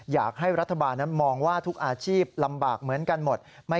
อยากให้รัฐบาลนั้นมองว่าทุกอาชีพลำบากเหมือนกันหมด